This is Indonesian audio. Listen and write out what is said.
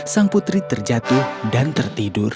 sang putri terjatuh dan tertidur